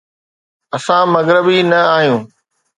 اسان مغربي نه آهيون.